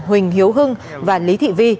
huỳnh hiếu hưng và lý thị vi